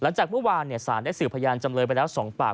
จากเมื่อวานสารได้สื่อพยานจำเลยไปแล้ว๒ปาก